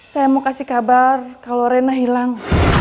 saya mau kasih kabar kalau rena hilang